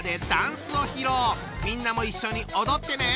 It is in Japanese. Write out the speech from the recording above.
みんなも一緒に踊ってね！